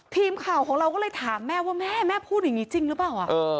ทีมข่าวของเราก็เลยถามแม่ว่าแม่แม่พูดอย่างนี้จริงหรือเปล่า